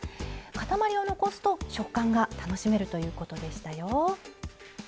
塊を残すと食感が楽しめるということでしたよ。